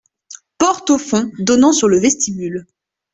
Porte au fond, donnant sur le vestibule.